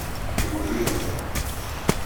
Deg ubrid ameqqran.